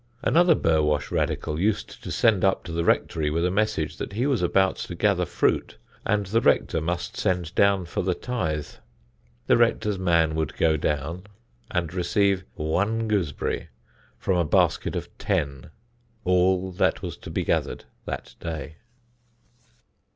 Another Burwash radical used to send up to the rectory with a message that he was about to gather fruit and the rector must send down for the tithe. The rector's man would go down and receive one gooseberry from a basket of ten: all that was to be gathered that day.